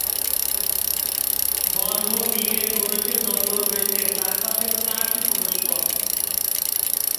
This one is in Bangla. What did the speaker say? গর্ভগৃহে প্রবেশের জন্য রয়েছে চারপাশে চারটি প্রবেশপথ।